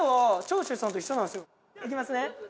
「いきますね。